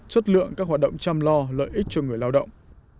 chất lượng các hoạt động chăm lo lợi ích cho người lao động